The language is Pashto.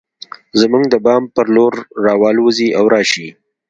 زموږ د بام پر لور راوالوزي او راشي